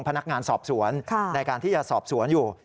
พนักงานสอบสวนในการที่จะสอบสวนอยู่